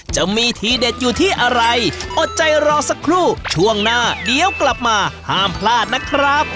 จะมีทีเด็ดอยู่ที่อะไรอดใจรอสักครู่ช่วงหน้าเดี๋ยวกลับมาห้ามพลาดนะครับ